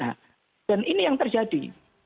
nah dan ini yang terjadi